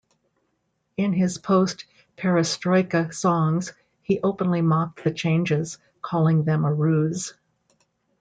In his post-Perestroika songs, he openly mocked the changes, calling them a ruse.